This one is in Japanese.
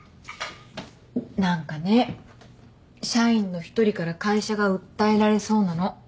何かね社員の一人から会社が訴えられそうなの。